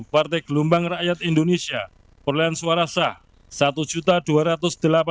partai gelombang rakyat indonesia perolehan suara sah satu dua ratus delapan puluh satu sembilan ratus sembilan puluh satu suara